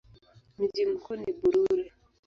Mji mkuu ni Bururi.